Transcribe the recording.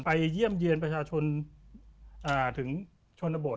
เยี่ยมเยี่ยนประชาชนถึงชนบท